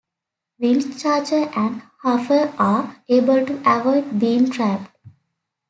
Windcharger and Huffer are able to avoid being trapped.